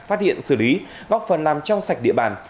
phát hiện xử lý góp phần làm trong sạch địa bàn